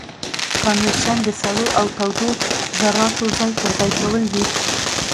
کانویکشن د سړو او تودو ذرتو ځای پر ځای کول دي.